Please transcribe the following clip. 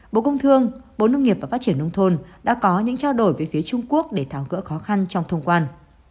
bộ công thương bộ nông nghiệp và phát triển nông thôn đã có những trao đổi với phía trung quốc để tháo gỡ khó khăn trong thông quan